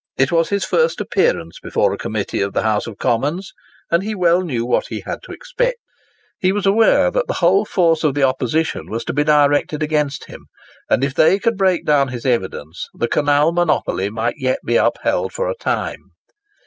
It was his first appearance before a Committee of the House of Commons, and he well knew what he had to expect. He was aware that the whole force of the opposition was to be directed against him; and if they could break down his evidence, the canal monopoly might yet be upheld for a time.